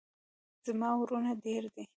زما ورونه ډیر دي